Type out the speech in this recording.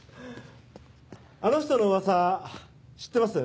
あの人の噂知ってます？